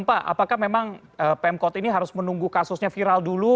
pemkot ini harus menunggu kasusnya viral dulu